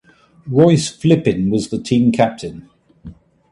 Royce Flippin was the team captain.